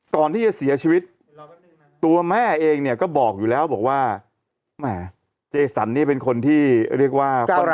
ก่อนที่จะเสียชีวิตตัวแม่เองเนี่ยก็บอกอยู่แล้วบอกว่าแหมเจสันนี่เป็นคนที่เรียกว่า